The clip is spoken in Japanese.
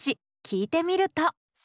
聴いてみると。